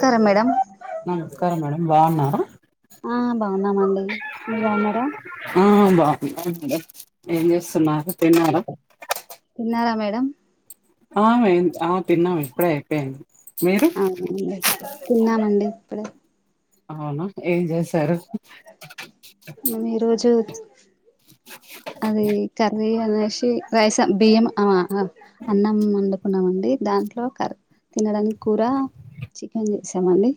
కరం madam నమస్కారం madam బాగున్నారా ఆ బాగున్నామండి మీర్ బాగున్నారా ఆ బాగున్నాం మేడం ఏం చేస్తున్నారు తిన్నార తిన్నారా మేడమ్ ఆ మేం ఆ తిన్నామ్ ఇప్పుడే అయిపోయింది మీరు అవునండి తిన్నామండి ఇప్పుడే అవునా ఏం చేశారు మేం ఈరోజు అది కర్రి అనేషి రైసు బియ్యం ఆ ఆ అన్నం వండు కున్నామండి దాంట్లో కర్ తినడానిక్ కూర చికెన్ చేసామండి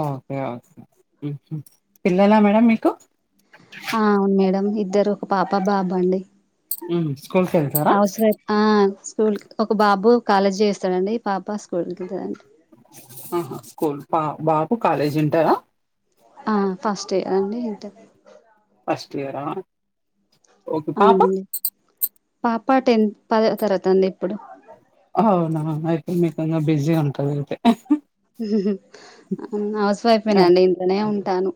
ఓకే ఓకే హ్మ్ హు పిల్లలా మేడం మీకు ఆ అవున్ మేడం ఇద్దరు ఒక పాప బాబన్డి హ్మ్ స్కూల్ కెల్ హౌస్వైఫ్ ఆ స్కూల్ ఒక బాబు కాలేజ్ జెస్తడండి పాప స్కూల్ కెళ్తదండి ఆహా స్కూల్ పా బాబు కాలేజ్ ఇంటరా ఆ ఫస్టే అండి ఇంటరె ఫస్ట్ ఇయరా ఓకే పాప అవునండి పాప టెన్త్ పదో తరగతండి ఇప్పుడు అవునా అయితే మీకు ఇంగ బిజీ ఉంటరు అయితే హౌస్వైఫేనండి ఇంట్లనే ఉంటాను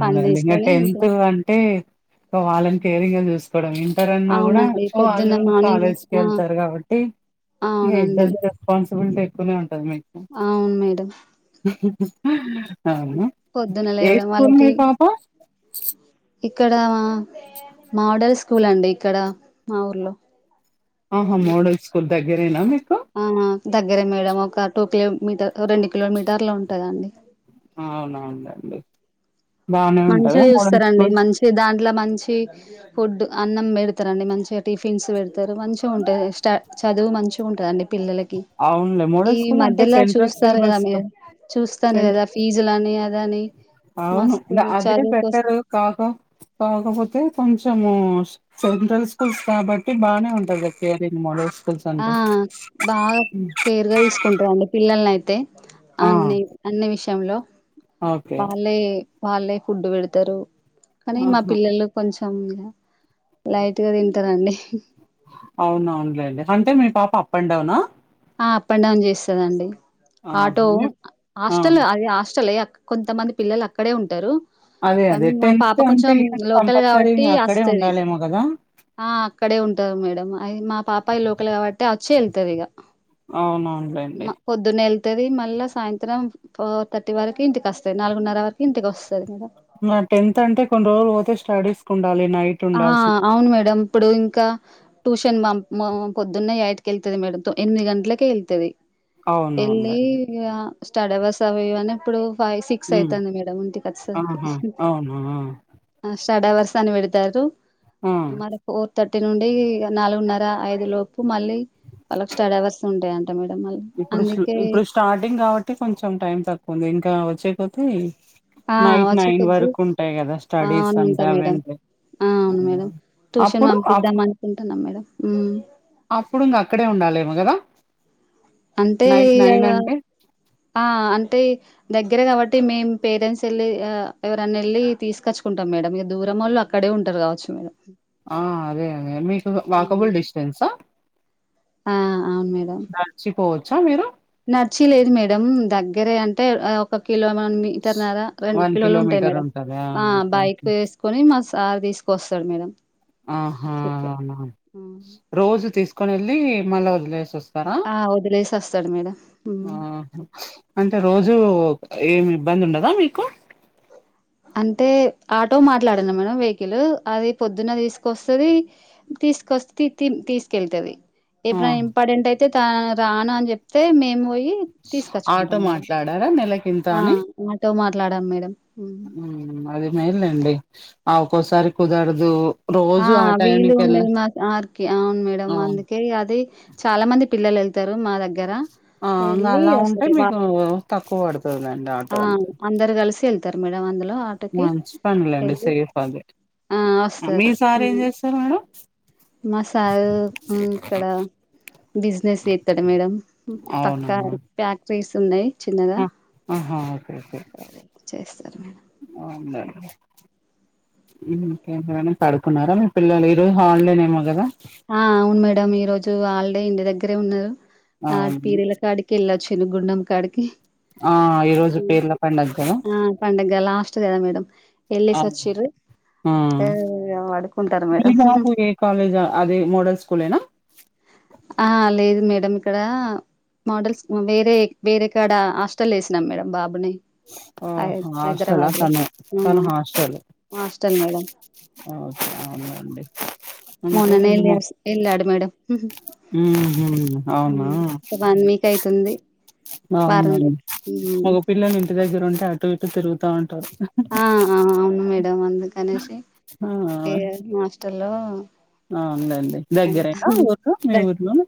పని ఇంకా తీసుకొని ఇంట్లో టెన్త్ అంటే వాళ్ళన్ కేరింగ్ గా చూస్ ఇప్పుడు ఇంటర్ అన్నాకూడా అవునండి పొద్దున్న వాళ్ళు మార్నింగ్ కాలేజ్కి ఆ యెళ్తారు కాబట్టి ఆ అవునండి ఇద్దరిది రెస్పాన్స్బులిటీ ఎక్కువనే ఉంటంది మీక్ ఆవున్ మేడం అవునా పొద్దున లె ఏ స్కూల్ మీ పాపా ఇక్కడ మాడల్ స్కూల్ అండి ఇక్కడ మా ఊర్లో ఆహా మోడల్ స్కూల్ దగ్గరేనా మీకు ఆహా దగ్గరే మేడం ఒక టూ కిలో మీటర్ ఒ రెండు కిలోమీటర్లు ఉంటదండి అవునవునులెండి బానే ఉంటదా మంచిగా మోడల్ చూస్తారండి స్కూల్ మంచి దాంట్లో మంచి ఫుడ్ అన్నం పెడుతారండి మంచిగా టిఫిన్స్ పెడ్ తరు మంచిగా ఉంటది స్ట చదువు మంచిగా ఉంటదండి పిల్లల కి అవునులే మోడల్ ఇవి స్కూల్ అంటే మధ్యల సెంట్రల్ చూస్తారు కదా సిలబస్ క మీరు చూస్తారు సెంట్ కదా ఫీజులని అదని అవును మస్తు అదే చదువు కోసం బెటర్ కాక కాకపోతే కొంచెము సెంట్రల్ స్కూల్స్ కాబట్టి బానే ఉంటది కేరన్ మోడోల్స్ ఆ బాగ మ్ కేర్గా తీసుకుంటారండి పిల్లలని అయితే ఆ అన్ని అన్ని విషయంలో ఓకే వాళ్ళే వాళ్ళే ఫుడ్ పెడుతారు కానీ మా ఆహా పిల్లలు కొంచెం లైట్ గా తింటారండి అవునవునులేండి అంటే మీ పాప అప్ అండ్ డౌనా ఆ అప్ అండ్ డౌన్ చేస్తదండి ఆటో ఆహా మీ ఆ హాస్టల్ అది హాస్టలే కొంతమంది పిల్లలు అక్కడే ఉంటారు అదే కానీ అదే మా పాప అంటే కొంచెం ఇయర్ లోకల్ కంపల్సరీ ఇంగ కాబట్టి అక్కడే వస్తది ఉండాలేమో గదా! ఆ అక్కడే ఉంటది మేడం అది మా పాపయ లోకల్ కాబట్టి వచ్చి వెళ్తది ఇగ అవునం మ పొద్దునేల్తది మళ్ళా సాయంత్రం ఫోర్ థర్టీ వరకు ఇంటికోస్తది నాలుగున్నర వరకు ఇంటికోస్తది ఇగ మరి నటెన్త్ అంటే కొన్ని రోజులు పోతే స్టడీస్కు ఉండాలి నైట్ ఆ ఉండాల్సి అవును మేడం ఇప్పుడు ఇంకా ట్యూషన్ ప్ పొద్దున్నే అయిట్ కేళ్తది మేడం ఎనిమిది గంటలకే వెళ్తది వెళ్ళి అవునవునులేండి. ఇగ స్టడి అవర్స్ అవి ఇవి అన్ని అప్పుడు ఫైవ్ సిక్స్ హ్మ్. అయితంది మేడం ఇంటికి ఆహా! వచ్చేసరికి అవును. ఆ! అ స్టడీ అవర్స్ అని పెడుతారు ఆ! మర్ ఫోర్ థర్టీ నుండి నాలుగున్నర ఐదు లోపు మళ్ళీ వాళ్ళకు స్డడి అవర్స్ ఉంటాయంట మేడం మళ్ళ ఇప్పుడు ఇప్పుడు స్టార్టింగ్ కాబట్టి కొంచెం టైం తక్కువ ఉంది ఇంకా వచ్చేకోద్ధి ఆ నైట్ వచ్చే నైన్ కొద్ది వరకు ఉంటాయి కదా ఆ స్టడీస్ అవునంట అంటే అవెం మేడం ఆ అవును మేడం ట్యూషన్ అప్ పంపిద్దాం అనుకుంటున్నాం మేడం మ్ అప్పుడు ఇంగ అక్కడే ఉండాలేమో కదా అంటే ఇగ అంటే ఆ అంటే దగ్గరే కాబట్టి మేం పేరెంట్స్ వెళ్ళి అ ఎవరన్న వెళ్ళి తీసుకొచ్చుకుంటాం మేడం ఇగ దూరమొల్లు అ క్కడే ఉంటారు కావచ్చు మేడం ఆ అదే అదే మీకు అవును వాకబుల్ డిస్టెన్సా ఆ అవును మేడం నడిచిపోవచ్చా మీరు నడిచిలేదు మేడం దగ్గరే అంటే ఒక కిలో వన్ మీటర్ నరా రెండు వన్ కిలోలు ఉంటాయి కిలోమీటర్ మేదం ఉంటదా అ ఓకే బైక్ ఓకే వే సుకొని మా సార్ తీసుకొస్తాడు మేడం ఆహా చికెన్ అవునా హ్మ్. రోజు తీసుకొని వెళ్ళి మళ్ళ వదిలేసి వస్ స్తారా ఆ వదిలేసి వస్తాడు మేడం హ్మ్. అహ అంటే రోజూ ఏమి ఇబ్బంది ఉండదా మీకు అంటే ఆటో మాట్లాడిన మేడం వెహికల్ అది పొద్దున్న తీసుకొస్తది తీసుకొస్ తి తీసుకెళ్తది ఆ ఎప్పుడైనా ఇంపార్టెంట్ అయితే తన్ రాను అని చెప్తే మేము పోయి ఆటో తీసుకొచ్చుకుంటాం మేడం మాట్లాడారా నెలకింత అని ఆటో మాట్లాడాం మేడం అది మేల్ అండి ఆ ఒక్కోసారి కుదరదు ఆ రోజు వీలు టైంకి వెళ్ళ ఉండదు మా సార్ కి అవును మేడంమ్ అవును అందుకే ఓకే అది చాలా మంది పిల్లలు వెళ్తారు మా దగ్గర ఆ ఇంగ వెళ్ళ అలా ఉంటే వస్తారు మీకు వారు తక్కువ పడుతదిలేండి ఆటో ఆ అంటే అందరు కలిసి వెళ్తారు వెళ్తారు మేడం అందులో ఆటకి మంచి పనిలేండి వాళ్లు సేఫ్ అది ఆ మీ వస్తారు సార్ ఏం చేస్తారు మేడం మా సారు ఊ ఇక్కడ బిజినెస్ చేస్తాడు మేడం అవునా పక్కా ఫ్యాక్టరీస్ ఉన్నాయి చిన్నగా ఆహా ఓకే ఓకే చేస్తారు మేడం అండి ఉ హు పడుకున్నారా మీ పిల్లలు ఈ రోజు హాలిడేనేమో కదా ఆ అవును మేడంమ్ ఈ రోజు హాలిడే ఇంటి దగ్గరే ఉన్నారు ఆ అవును పీరీల కాడికి వెళ్లొచ్చిండ్రు గుండం కాడికి ఆ ఈరోజు పేర్ల పండగ కదా ఆ పండగ లాస్ట్ కదా మేడం వెళ్లేసి అవును వచ్చిండ్రు ఆ ఏ వాడుకుంటారు మీ మేడం బాబు ఏ కాలేజ్ అదే మోడల్ స్కూల్ ఏనా ఆ లేదు మేడం ఇక్కడ మోడల్స్ వేరే వేరే కాడ హాస్టల్ వేసినాం మేడంమ్ బాబుని ఆహా హాస్టలా హైదరాబాద్ లో తను ఊ తను హాస్టల్ హాస్టల్ మేడం ఓకే అవునండి మొన్ననే వెళ్ళాడు మేడం ఉ హు అవునా హ్మ్. వన్ వీక్ అయితుంది వారం అవునండి రోజులు హ్మ్. మొగ పిల్లలు ఇంటి దగ్గర ఉంటే అటు ఇటు తిరుగుతా ఉంటారు ఆ అవును మేడం అందుకనేసి ఆ ఇగ హాస్టలో ఆ ఉండండి దగ్గరేనా ఊరు మీ ఊర్లోను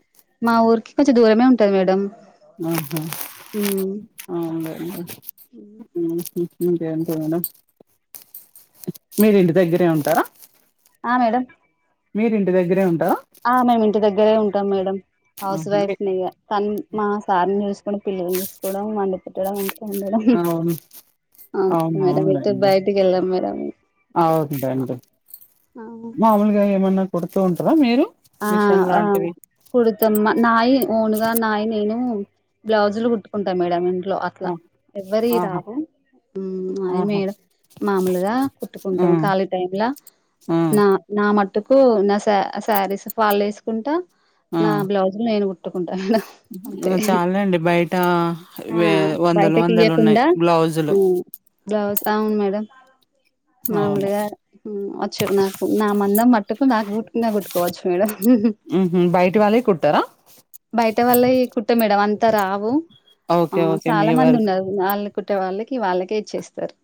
మా ఊరికి కొంచెం దూరమే వుంటది మేడం అవునా హ్మ్. ఆ ఉంట ఉ అంతే అంతే మేడం మీరు ఇంటి దగ్గరే ఉంటారా ఆ మేడమ్ మీరు ఇంటి దగ్గరే ఉంటారా ఆ మేము ఇంటి దగ్గరే ఉంటాం మేడం ఆహా! హౌస్ మీ వైఫ్ ని ఇగ పని మా సార్ ని చూసుకోవడం పిల్లల్ని చూసుకోవడం వండి పేట్టడం ఇంట్లో ఉండడం అవును అవును మేడమ్ ఎటు బయటకి వెళ్ళాం మేడమ్ అవునులేండి మామూలుగా ఏమన్నా కుడుతూ ఉంటారా మీరు ఆ మిషన్ ఆ లాంటివి కుడతమ్ నాయి ఓనుగా నాయి నేను బ్లౌజులు కుట్టుకుంటా మేడమ్ ఇంట్లో ఇట్లా ఆ! ఆహా ఎవ్వరివిరావు ఉ అది ఆహా మేడమ్ మామూలుగా ఆ కుట్టుకుంటాము ఖాళీ టైం లో ఆ నా మట్టుకు నా శారీస్ ఫాల్ వేసుకుంటా ఆ నా బ్లౌజులు నేను కుట్టుకుంటా మేడం అంతే ఇంగ చాలండి బయట ఆ వే వందలు బయటకి వందలు ఉన్నాయి ఇయ్యకుండా బ్లౌజులు ఆ బ్లౌస్ అవును మేడం అవును మామూలుగా వచ్చు నాకు నా మందం మట్టుకు నాకుట్టిన కుట్టుకోవచ్చు మేడం ఊహు బయటవలే కుట్టారా బయట వాల్లయి కుట్టమేడం అంతరావు ఆ ఓకే ఓకే మీ చాలామంది వరకు ఉన్నారు ద్నళ్ళకుట్టే వాళ్ళకి వాళ్ళకే ఇచ్చేస్తారు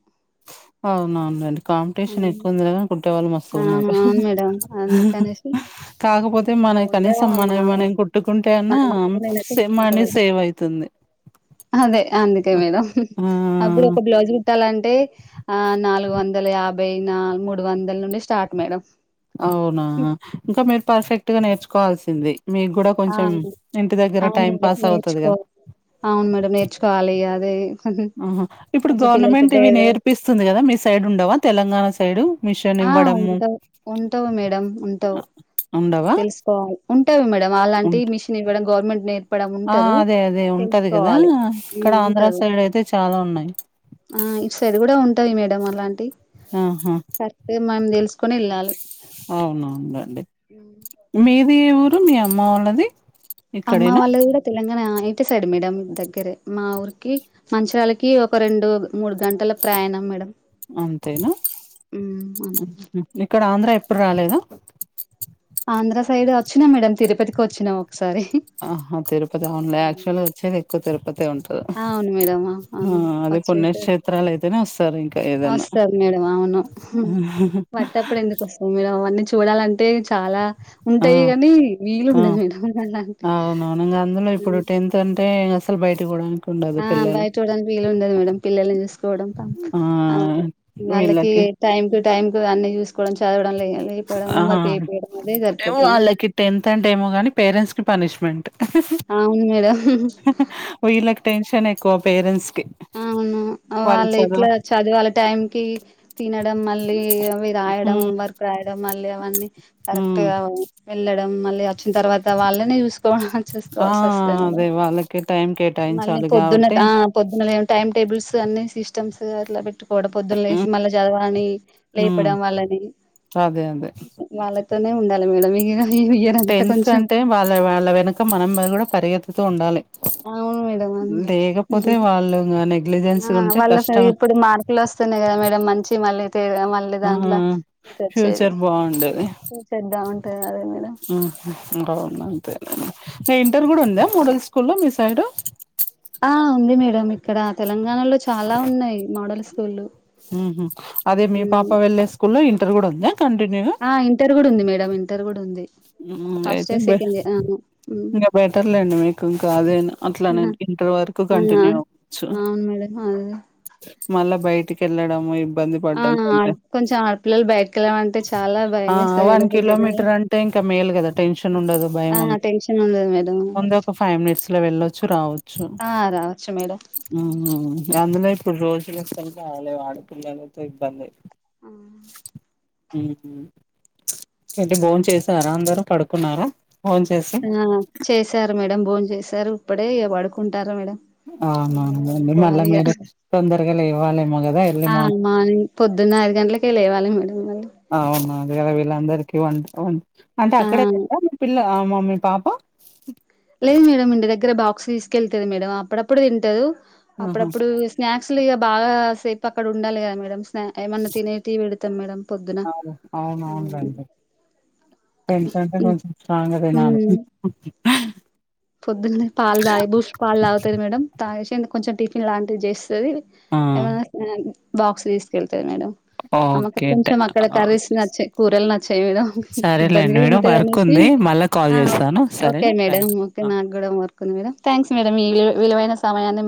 అవునా నంటి కాంపిటీషన్ హ్మ్. ఎక్కుఉంది కదా కుట్టే వాళ్ళు మస్తు ఆ ఉన్నావ్ హు అవును హు మేడం హ హ అందుకనేసి హా కాకపోతే మనయి ఓన్గా కనీసం మా మనవి మనం కుట్టుకుంటే నా అన్నా మటుకు నేనైతే సేమ్ కుట్టుకుంటా మనీ మేడం సేవ్ అయితుంది అదే అందుకే మేడమ్ హు హు ఆ అప్పుడు ఒక బ్లౌజ్ ట్టాలంటే ఆ నాలుగు వందల యాభై న మూడు వందల నుండి స్టార్ట్ మేడం అవునా ఇంకా మీరు పర్ఫెక్ట్ గా నేర్చుకోవాల్సింది మీ గుడా ఆ కొంచెం ఇంటి దగ్గర అవును టైం మేడం పాస్ అవుతది నేర్చుకో కదా అవును మేడమ్ నేర్చుకోవాలి ఇగ అదే కొంచెం ఆహా ఇప్పుడు పిల్లలు గవర్నమెంట్ ఇవి పెద్దయ్యారు కదా నేర్పిస్తుంది కదా మీ సైడ్ ఉండవా తెలంగాణ సైడు మిషన్ ఆ ఇవ్వడము ఉంటవు ఉంటవు మేడం ఉంటవు ఆహ్, ఉండవా తెలుసుకోవాలి ఉంటావి మేడం అలాంటి ఉంట మిషన్ఇవ్వడం గవర్నమెంట్ నే ఆ అదే అదే ఉంటది కదా ఇక్కడ ఉమ్ ఆంధ్ర ఉంటది సైడ్ అయితే చాలా ఉన్నాయి ఆ ఇట్ సైడ్ కూడా ఉంటాయి మేడం అలాంటి ఆహా కరెక్ట్ మనం తెలుసుకోని ఎళ్ళాలి అవునవునండి మీది ఏ ఊరు మీ అమ్మ వాళ్ళది అమ్మ ఇక్కడేనా వాళ్ళది కూడా తెలంగాణ ఇటు సైడ్ మేడం దగ్గరే మా ఊరికి మంచి వాళ్ళకి ఒక రెండు మూడు గంటల ప్రయాణం మేడం అంతేనా ఉమ్ అంతే ఇక్కడ ఆంధ్ర ఎప్పు రాలేదా ఆంధ్ర సైడ్ వచ్చినా మేడం తిరుపతికి వచ్చినా ఒకసారి ఆహా తిరుపతి అఉన్లే యాక్చువల్గా వచ్చేది ఎక్కువ తిరుపతి ఉంట అవును మేడం ఆ అన్ అది వచ్చేసారు పుణ్యక్షేత్రాలు అయితేనే వస్తారు ఇంకా ఏదన్నా సరే మేడం అవును వట్టప్పుడు ఎందుకు వస్త అవ్ మేమ్ అవన్నీ చూడాలంటే చాలా ఆ ఉంటాయి గానీ వీలు ఆ ఉండదు మేడం అలాంటి తన్టే అసలు బయటి పోడాన్క ఆ బయట్ చూడానికి వీలు ఉండదు మేడం పిల్లల్ని చూసుకోవడం కం ఆ వాళ్ళకి వీళ్ళకి టైం టు టైమ్ కు అన్ని చూసుకోవడం చదవడం లేయ లేపోవడం ఆ హోంవర్క్ చెపియడం అదే సరిపోతది వాళ్ళకి టెన్త్ అంటే ఏమో కానీ పేరెంట్స్ కి పనిష్మెంట్ అవును మేడం హు హు వీళ్ళకి టెన్షన్ ఎక్కువ పేరెంట్స్ కి అవును వాళ్ళు ఇట్లా చదివాల టైం కి తినడం మళ్ళీ అవి రాయడం హ్మ్ ఓమ్ వర్క్ రాయడం మళ్ళీ అవన్నీ కరెక్ట్ హ్మ్ గా వ్ వెళ్ళడం మళ్ళీ వచ్చిన తర్వాత వాళ్ళనీ చూసుకోవ ఆ చూసుకోవాల్సిస్తది అదే మేడమ్ వాళ్ళకి టైం మళ్ళీ కేటాయించాలి పొద్దున్న త కాబట్టి ఆ పొద్దున టైమ్ టేబుల్స్ అన్ని సిస్టమ్స్ అట్లా పెట్టు పోడ పొద్దున్ లేసి హ్మ్ మళ్ళా చదవాని హ్మ్ లేపడం వల్లని అదే అదే వాళ్ళతోనే ఉండాలి మేడం ఇగ ఏమి ఎత్ టెన్త్ అంటే వాళ్ళ వాళ్ళ వెనక మనం కూడా పరిగెత్తుతూ ఉండాలి అవును మేడం అంతే లేకపోతే వాళ్ళు ఇంగ నెగ్లిజెన్స్ గుంటే కష్టం పిలస్తేనే కదా మేడ మంచి మళ్ళీ తే మళ్ళీ ఆ దాంట్లో పి తేచ్చేది ఫ్యూచర్ బాగుండేది మ్ చేద్దాం అంటే అదే మేడమ్ హు ఉంటరు నా అంతే న ఇంటర్ కూడా ఉందా మోడల్ స్కూల్లో మీ సైడ్ ఆ ఉంది మేడం ఇ ఇక్కడ తెలంగాణలో చాలా ఉన్నయి మోడల్ స్కూళ్లు. హ్మ్ హు అదే మీ పాప వెళ్ళే స్కూల్లో ఇంటర్ కూడా ఉందా కంటిన్యూ ఆ ఇంటర్ కూడా ఉంది మేడం ఇంటర్ కూడా ఉంది. ఫస్ట్ అయితే ఇయర్ బె సెకండ్ ఇయర్ అవును ఇంగా బెటర్ లేండి మీకు ఇంకా అదైనా అట్లనయినా. ఇంటర్ వరకు ఆ కంటిన్యూ అవ్వచ్చు. అవును మేడం అదే మళ్ళా బయటికి ఎళ్ళడము ఇ ఇబ్బంది ఆ పడ్డం కంటే కొంచెం ఆడపిల్లలు బయటకి వెళ్ళమంటే చాలా ఆ భయం వేస్తది వన్ మేడం జనాలు కిలోమీటర్ అం ఇంక మేలు కదా టెన్షన్ ఉండదు, భయం ఆ ఉం టెన్షన్ ఉండదు మేడం ముందు ఒక ఫైవ్ మినిట్స్ లో వెళ్ళొచ్చు రావచ్చు. ఆ రావచ్చు మేడం ఉ అందులో ఇప్పుడు రోజులు అస్సలు బాలేవు ఆడపిల్లలతో ఇబ్బంది. ఎంటి భోంచేసారా అందరూ, పడుకున్నారా? భోం చేెస్ ఆ చేసారు మేడం భోం చేసారు ఇప్పుడే ఇగ పడుకుంటార మేడం. నేను కూడా అవునవునండి మళ్ళా పడుకోవాలి ఇగ మీరు తొందరగా లేవాలేమో కదా ఆ ఎర్లీమా మార్నింగ్ పొద్దున్న ఐదు గంటలకే లేవాలి మేడం మళ్ళీ. అవునా అదే కదా వీళ్ళ అందరికి వం వం అంటే ఆ అక్కడే తింటదా మీ పిల్ల మీ పాప లేదు మేడం ఇంటి దగ్గరే బాక్స్ తీసుకెళ్తది మేడం. అప్పుడప్పుడు తింటదు, ఆహా అప్పుడప్పుడు స్నాక్స్లు ఇగ బాగా సేపు అక్కడ ఉండాలి కదా మేడమ్. ఏమన్నా తినేటీయి పెడతం మేడం పొద్దునా. మెన్స్ అంటే కొంచెం స్ట్రాంగ్ గా తినాలి. ఉమ్ పొద్దున్నే పాలు తాగి బూష్ట్ పాలు తాగుతది మేడం, తాగేసి కొంచెం టిఫిన్ లాంటివి చేస్ తది ఆ ఏమైనా స్నాక్ బాక్స్ తీసుకెళ్తది మేడం. అమ్మకు ఓకే ట కొంచెం అక్కడ కర్రీస్ నచ్చయి కూరలు నచ్చాయి మేడం సరేలేండి ఇబ్బందిగా మేడం తింటది వర్క్ అనేసి ఉంది మళ్ళా కాల్ ఆ చేస్తాను ఓకే సరేనా మేడం థ్యాంక్స్ ఓ కే ఆ నాకు కూడా వర్కుంది మేడం, థ్యాంక్స్ మేడం ఈ విలువై విలువైన సమయాన్ని మాకు